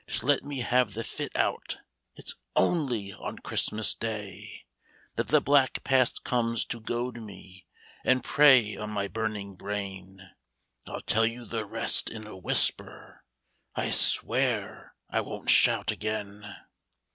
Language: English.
Just let me have the fit out. It 's only on Christmas Day That the black past comes to goad me. And prey on my burning brain ; I '11 tell you the rest in a whisper, — I swear I won't shout again.